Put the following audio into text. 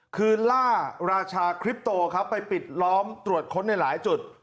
คือล่าราชาคริปโตครับไปปิดล้อมตรวจค้นในหลายจุด